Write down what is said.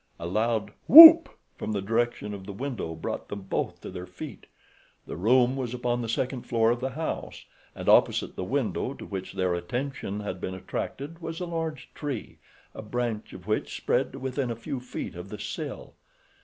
A loud "Whoop!" from the direction of the window brought them both to their feet. The room was upon the second floor of the house, and opposite the window to which their attention had been attracted was a large tree, a branch of which spread to within a few feet of the sill.